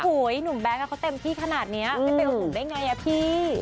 อุ๊ยหนุ่มแบงค์เขาเต็มที่ขนาดนี้